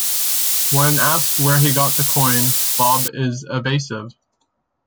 When asked where he got the coin, Bob is evasive.